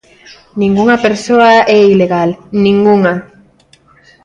Ningunha persoa é ilegal, ningunha.